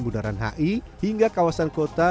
bundaran hi hingga kawasan kota